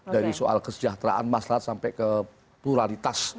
dari soal kesejahteraan masyarakat sampai ke pluralitas